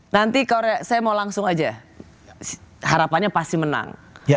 nanti korea saya mau langsung aja harapannya pasti menang